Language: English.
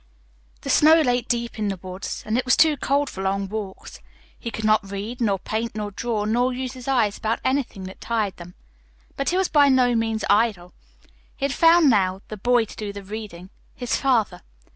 The snow lay deep in the woods, and it was too cold for long walks. He could not read, nor paint, nor draw, nor use his eyes about anything that tried them. But he was by no means idle. He had found now "the boy to do the reading" his father.